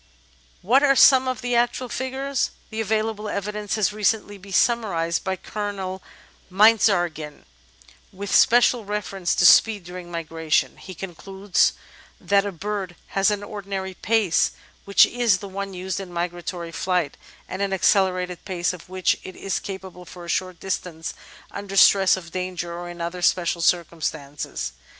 What are some of the actual figures? The available evidence has recently been summarised by Colonel Meinertzhagen, with special reference to speed during migration ; he concludes that a bird has an ordinary pace, which is the one used in migratory flight, and an accelerated pace of which it is capable for a short distance under stress of danger or in other special circumstances.